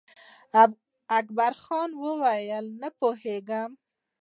اکبر جان وویل: نه پوهېږم.